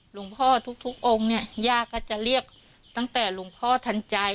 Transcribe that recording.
หลวงพ่อทุกองค์เนี่ยย่าก็จะเรียกตั้งแต่หลวงพ่อทันใจ